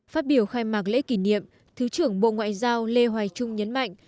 phát biểu khai mạc lễ kỷ niệm thứ trưởng bộ ngoại giao lê hoài trung nhấn mạnh